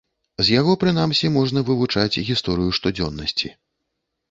З яго прынамсі можна вывучаць гісторыю штодзённасці.